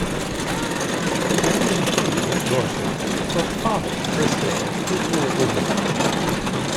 Born in Poole, Dorset, her father, Chris Hill, was the local vicar.